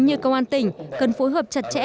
như công an tỉnh cần phối hợp chặt chẽ